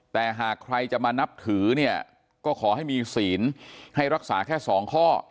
แต่หากใครจะมานับถือเนี่ยก็ขอให้มีศีลให้รักษาแค่๒ข้อ